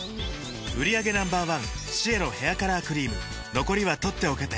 売上№１シエロヘアカラークリーム残りは取っておけて